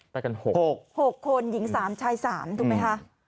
ไปกัน๖๖คนหญิง๓ชาย๓ถูกไหมคะ